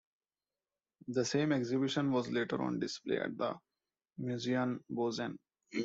The same exhibition was later on display at the Museion, Bozen.